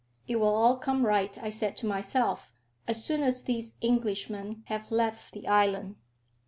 "It will all come right," I said to myself, "as soon as these Englishmen have left the island."